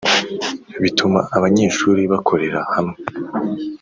bituma abanyeshuri bakorera hamwe,